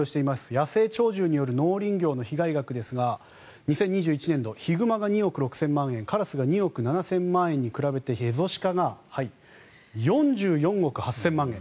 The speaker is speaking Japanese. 野生鳥獣による農林業の被害額ですが２０２１年度ヒグマが２億６０００万円カラスが２億７０００万円に比べてエゾシカが４４億８０００万円。